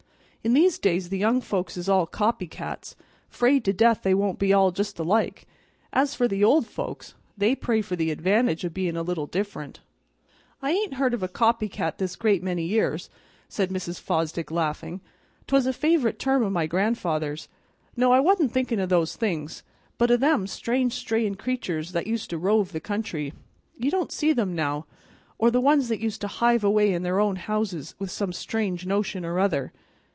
In these days the young folks is all copy cats, 'fraid to death they won't be all just alike; as for the old folks, they pray for the advantage o' bein' a little different." "I ain't heard of a copy cat this great many years," said Mrs. Fosdick, laughing; "'twas a favorite term o' my grandfather's. No, I wa'n't thinking o' those things, but of them strange straying creatur's that used to rove the country. You don't see them now, or the ones that used to hive away in their own houses with some strange notion or other."